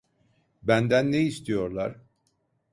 Benden ne istiyorlar?